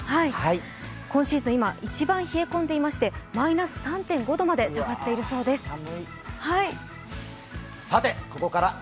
今シーズン一番冷え込んでいまして、マイナス３．５度まで冷えてこんでいるそうです。